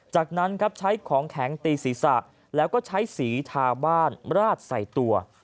จากนั้นครับใช้ของแข็งตีศีรษะแล้วก็ใช้สีทาบ้านราดใส่ตัว